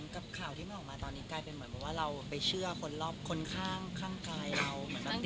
กับข่าวที่มันออกมาตอนนี้กลายเป็นเหมือนบอกว่าเราไปเชื่อคนรอบคนข้างกายเรา